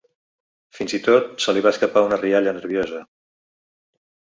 Fins i tot, se li va escapar una rialla nerviosa.